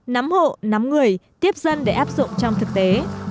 nắm hộ nắm người tiếp dân để áp dụng trong thực tế